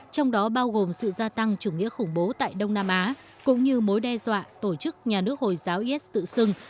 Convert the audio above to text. trong đó bao gồm sự gia tăng chủ nghĩa khủng bố tại đông nam á cũng như mối đe dọa tổ chức nhà nước hồi giáo is tự xưng